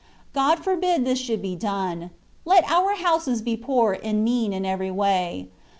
God for bid this should be done ; let our houses be poor and mean in every way.